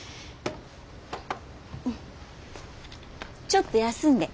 ちょっと休んで。